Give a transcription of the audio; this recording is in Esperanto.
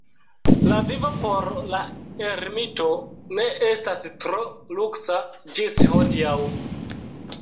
La vivo por la ermito ne estas tro luksa ĝis hodiaŭ.